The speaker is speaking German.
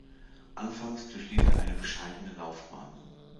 Anfangs durchlief er eine bescheidene Laufbahn.